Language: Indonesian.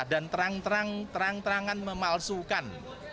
dan terang terang terangan memalsukan